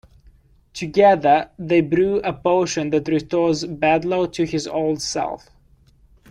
Together they brew a potion that restores Bedlo to his old self.